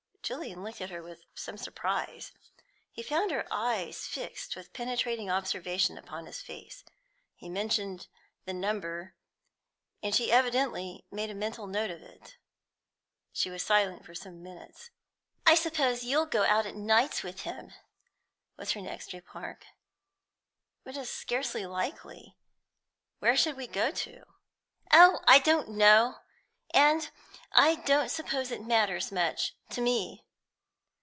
Julian looked at her with some surprise. He found her eyes fixed with penetrating observation upon his face. He mentioned the number, and she evidently made a mental note of it. She was silent for some minutes. "I suppose you'll go out at nights with him?" was her next remark. "It is scarcely likely. Where should we go to?" "Oh, I don't know, and I don't suppose it matters much, to me."